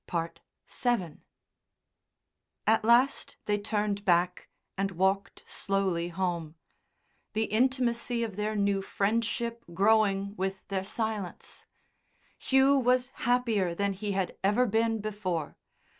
VII At last they turned back and walked slowly home, the intimacy of their new friendship growing with their silence. Hugh was happier than he had ever been before.